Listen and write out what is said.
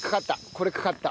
これかかった。